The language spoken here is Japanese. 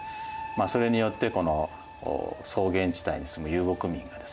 それによってこの草原地帯に住む遊牧民がですね